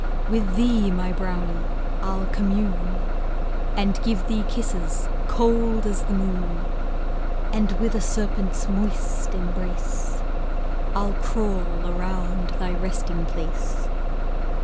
With thee, my brownie, I'll commune, And give thee kisses cold as the moon, And with a serpent's moist embrace, I'll crawl around thy resting place.